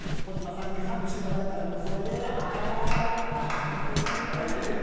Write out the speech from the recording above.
最後に児嶋さんにハグしてもらえたらもう、それで。